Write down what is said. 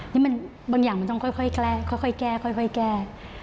นี่มันบางอย่างมันต้องค่อยแก้ค่อยแก้